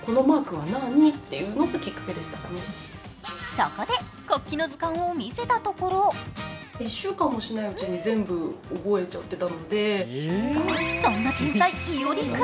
そこで国旗の図鑑を見せたところそんな天才・伊織君。